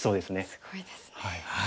すごいですね。